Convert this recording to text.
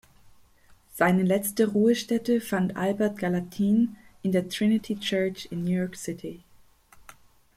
Seine letzte Ruhestätte fand Albert Gallatin in der Trinity Church in New York City.